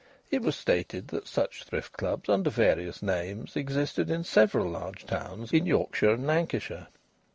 It was stated that such thrift clubs, under various names, existed in several large towns in Yorkshire and Lancashire.